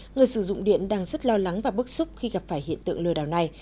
người sử dụng điện đang rất lo lắng và bức xúc khi gặp phải hiện tượng lừa đảo này